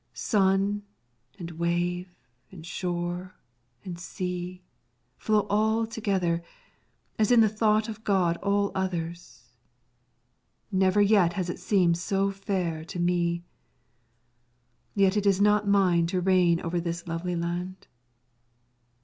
Sun and wave and shore and sea flow all together, as in the thought of God all others; never yet has it seemed so fair to me! Yet it is not mine to reign over this lovely land.